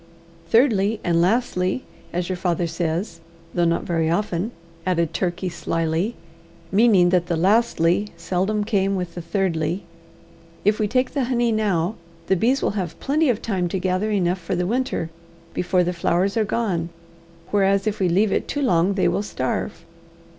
Thirdly, and lastly, as your father says though not very often," added Turkey slyly, meaning that the lastly seldom came with the thirdly, "if we take the honey now, the bees will have plenty of time to gather enough for the winter before the flowers are gone, whereas if we leave it too long they will starve."